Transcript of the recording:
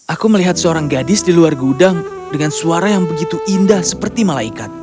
aku melihat seorang gadis di luar gudang dengan suara yang begitu indah seperti malaikat